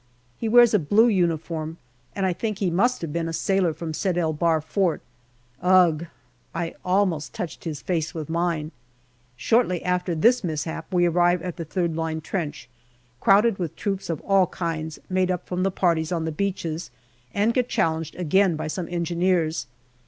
He wears a blue uniform, and I think he must have been a sailor from Sed el Bahr fort. Ugh ! I almost touched his face with mine. Shortly after this mishap we arrive at the third line trench, crowded with troops of all kinds, made up from the parties on the beaches, and get challenged again by some Engineers.